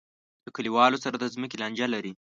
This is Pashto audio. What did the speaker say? له کلیوالو سره د ځمکې لانجه لري.